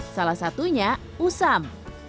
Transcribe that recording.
salah satunya usam